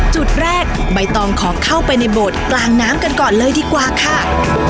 จุดแรกใบตองขอเข้าไปในโบสถ์กลางน้ำกันก่อนเลยดีกว่าค่ะ